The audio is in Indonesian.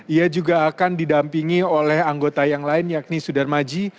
ia juga akan didampingi oleh anggota yang lain yakni sudar maji